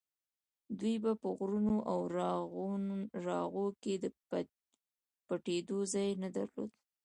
دوی به په غرونو او راغو کې د پټېدو ځای نه درلود.